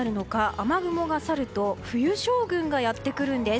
雨雲が去ると冬将軍がやってくるんです。